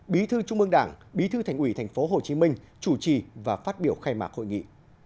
bí thư trung ương đảng bí thư thành ủy tp hcm chủ trì và phát biểu khai mạc hội nghị